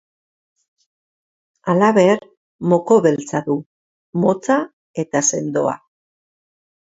Halaber, moko beltza du, motza eta sendoa.